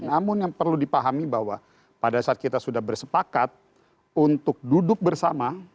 namun yang perlu dipahami bahwa pada saat kita sudah bersepakat untuk duduk bersama